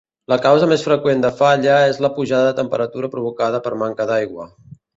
La causa més freqüent de falla és la pujada de temperatura provocada per manca d'aigua.